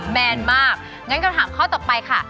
แมนมากงั้นคำถามข้อต่อไปค่ะ